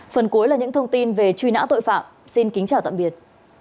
phần cuối là những thông tin về truy nã tội phạm xin kính chào tạm biệt